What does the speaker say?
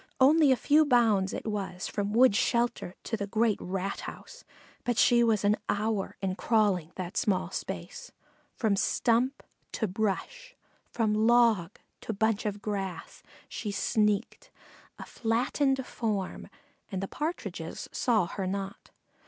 Only a few bounds it was from wood shelter to the great rat house, but she was an hour in crawling that small space. From stump to brush, from log to bunch of grass she sneaked, a flattened form, and the Partridges saw her not.